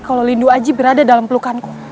kalau lindu aji berada dalam pelukanku